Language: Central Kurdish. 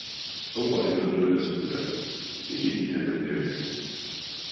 ئەو بالیفە زۆر ئەستوورە، یەکێکی تەنکم دەوێ.